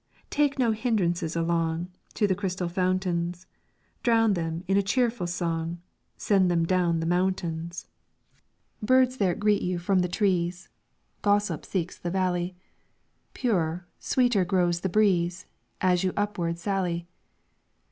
Take no hindrances along To the crystal fountains; Drown them in a cheerful song, Send them down the mountains. "Birds there greet you from the trees, Gossip seeks the valley; Purer, sweeter grows the breeze, As you upward sally.